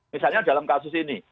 misalnya dalam kasus ini